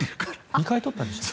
２回取ったんでしたっけ？